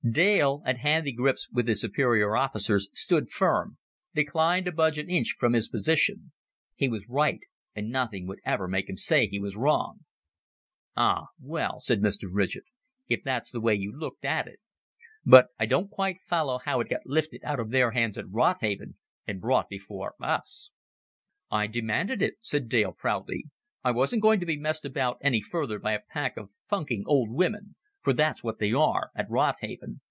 Dale, at handy grips with his superior officers, stood firm, declined to budge an inch from his position; he was right, and nothing would ever make him say he was wrong. "Ah, well," said Mr. Ridgett, "if that's the way you looked at it. But I don't quite follow how it got lifted out of their hands at Rodhaven, and brought before us." "I demanded it," said Dale proudly. "I wasn't going to be messed about any further by a pack of funking old women for that's what they are, at Rodhaven.